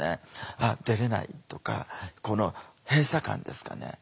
「あっ出れない」とかこの閉鎖感ですかね。